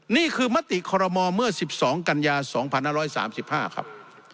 นี่คือมติขอรมมเมื่อ๑๒กันยา๒๕๓๕ครับ